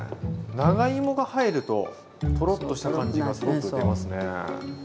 長芋が入るとトロッとした感じがすごく出ますね。